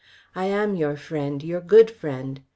I am your friend your good friend.